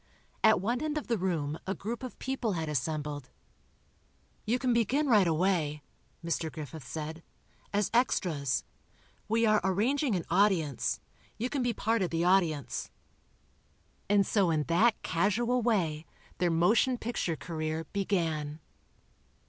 At one end of the room a group of people had assembled. "You can begin right away," Mr. Griffith said, "as extras. We are arranging an 'audience.' You can be part of the audience." And so in that casual way, their motion picture career began.